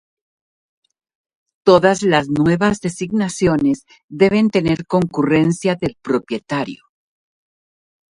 Todas las nuevas designaciones deben tener concurrencia del propietario.